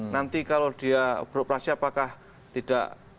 nanti kalau dia beroperasi apakah tidak